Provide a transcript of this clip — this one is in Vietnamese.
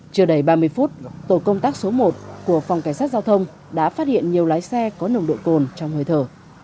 chưa đầy ba mươi phút tổ công tác số một của phòng cảnh sát giao thông đã phát hiện nhiều lái xe có nồng độ cồn trong hơi thở